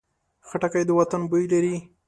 خټکی د وطن بوی لري.